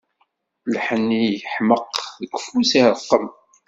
Lḥenni yeḥmeq, deg ufus ireqqem.